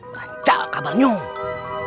rancal kabar nyung